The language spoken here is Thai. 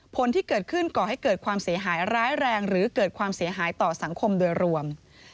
ผลที่เกิดขึ้นก่อให้เกิดความเสียหายร้ายแรงหรือเกิดความเสียหายต่อสังคมโดยรวม